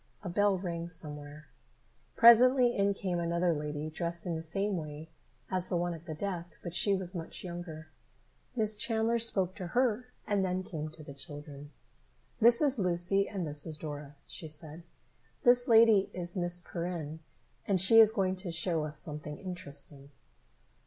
A bell rang somewhere. Presently in came another lady, dressed in the same way as the one at the desk, but she was much younger. Miss Chandler spoke to her and then came to the children. "This is Lucy and this is Dora," she said. "This lady is Miss Perrin, and she is going to show us something interesting."